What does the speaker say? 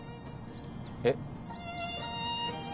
えっ？